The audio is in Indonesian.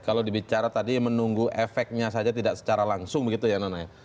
kalau dibicara tadi menunggu efeknya saja tidak secara langsung begitu ya nonaya